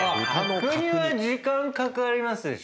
角煮は時間かかりますでしょ。